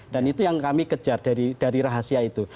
dan itu yang kami kejar dari rahasia itu